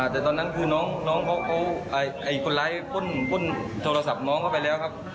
แต่ตอนนั้นคือน้องเขาคนร้ายพ่นโทรศัพท์น้องเข้าไปแล้วครับ